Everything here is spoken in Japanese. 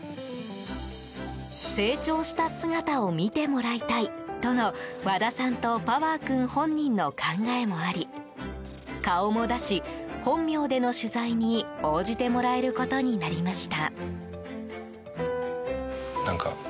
成長した姿を見てもらいたいとの和田さんとパワー君本人の考えもあり顔も出し本名での取材に応じてもらえることになりました。